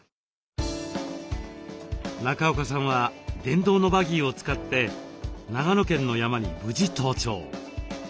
中岡さんは電動のバギーを使って長野県の山に無事登頂。